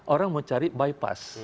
orang mau cari bypass